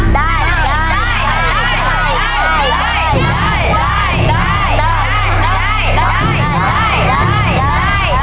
ได้